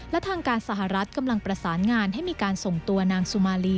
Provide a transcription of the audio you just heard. และทางการสหรัฐกำลังประสานงานให้มีการส่งตัวนางสุมาลี